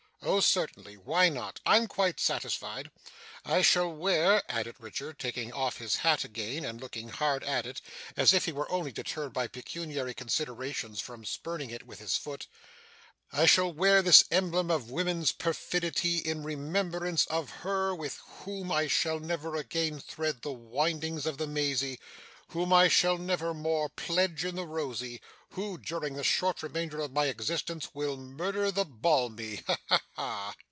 Oh, certainly. Why not! I'm quite satisfied. I shall wear,' added Richard, taking off his hat again and looking hard at it, as if he were only deterred by pecuniary considerations from spurning it with his foot, 'I shall wear this emblem of woman's perfidy, in remembrance of her with whom I shall never again thread the windings of the mazy; whom I shall never more pledge in the rosy; who, during the short remainder of my existence, will murder the balmy. Ha, ha, ha!